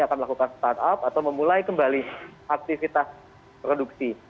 akan melakukan startup atau memulai kembali aktivitas produksi